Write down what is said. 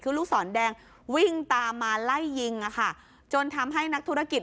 คือลูกศรแดงวิ่งตามมาไล่ยิงอ่ะค่ะจนทำให้นักธุรกิจ